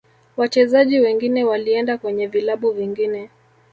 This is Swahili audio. wachezaji wengine walienda kwenye vilabu vingine